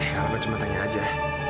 eh aku cuma tanya aja